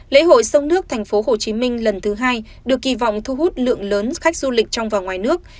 lễ hội sông nước tp hcm lần thứ hai được kỳ vọng thu hút lượng lớn khách du lịch trong và ngoài nước